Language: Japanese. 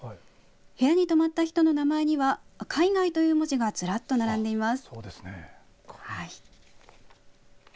部屋に泊まった人の名前には海外という文字がずらっと並んでいます。